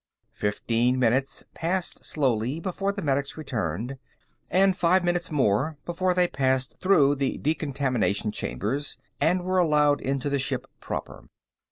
Fifteen minutes passed slowly before the medics returned, and five minutes more before they had passed through the decontamination chambers and were allowed into the ship proper.